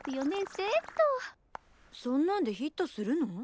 そんなんでヒットするの？